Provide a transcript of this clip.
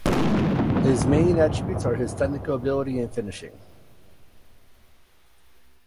His main attributes are his technical ability and finishing.